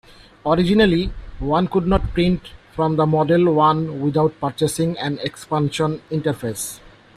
Originally, one could not print from the Model One without purchasing an Expansion Interface.